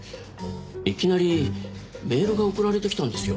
いきなりメールが送られてきたんですよ。